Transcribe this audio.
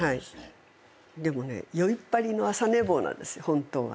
でもね宵っ張りの朝寝坊なんです本当は。